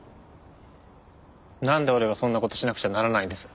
なんで俺がそんな事しなくちゃならないんです？